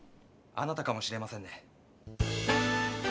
あなたかもしれませんね。